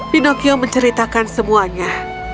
pinocchio menceritakan semuanya